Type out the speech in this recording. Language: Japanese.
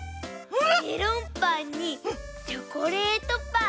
メロンパンにチョコレートパン。